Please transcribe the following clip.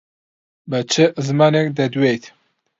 بە چ زمانێک دەدوێیت؟